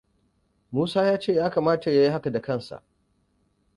Musa ya ce ya kamat ya yi haka da kansa.